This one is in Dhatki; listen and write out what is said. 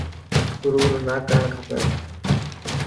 گرور نا ڪرڻ کپي.